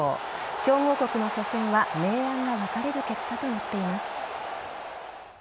強豪国の初戦は、明暗が分かれる結果となっています。